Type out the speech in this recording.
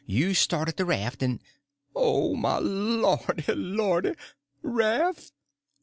You start at the raft, and—" "Oh, my lordy, lordy! Raf'?